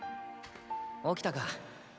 起きたか。